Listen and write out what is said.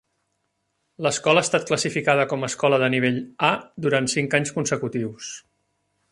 L'escola ha estat classificada com a escola de nivell "A" durant cinc anys consecutius.